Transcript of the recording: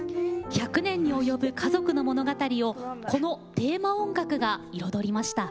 １００年に及ぶ家族の物語をこのテーマ音楽が彩りました。